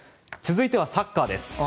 続いてはサッカーです。